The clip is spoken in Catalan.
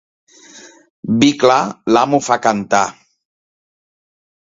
Vi clar l'amo fa cantar.